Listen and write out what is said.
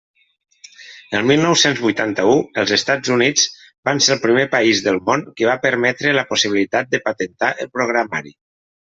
El mil nou-cents vuitanta-u, els Estats Units van ser el primer país del món que va permetre la possibilitat de patentar el programari.